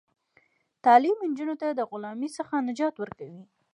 تعلیم نجونو ته د غلامۍ څخه نجات ورکوي.